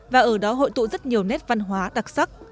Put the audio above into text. và ở đó hội tụ rất nhiều nét văn hóa đặc sắc